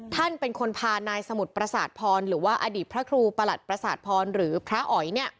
ท่านเป็นคนพานายสมุทรประสาทพรหรือว่าอดีตพระครูประหลัดประสาทพรหรือพระอ๋อย